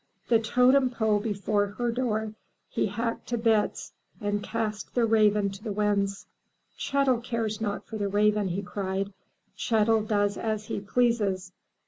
The totem pole before her door he hacked to bits and cast the raven to the winds. "Chet'l cares not for the raven," he cried. "Chet'l does as he pleases.